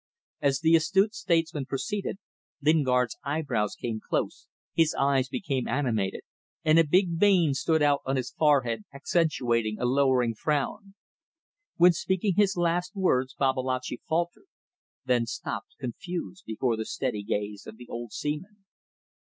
As the astute statesman proceeded, Lingard's eyebrows came close, his eyes became animated, and a big vein stood out on his forehead, accentuating a lowering frown. When speaking his last words Babalatchi faltered, then stopped, confused, before the steady gaze of the old seaman.